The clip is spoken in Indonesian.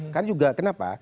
kan juga kenapa